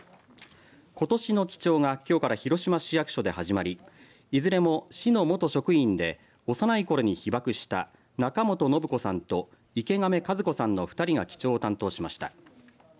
ことしの記帳がきょうから広島市役所で始まりいずれも市の元職員で幼いころに被爆した中本信子さんと池亀和子さんの２人が記帳を担当しました。